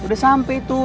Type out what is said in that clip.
udah sampai tuh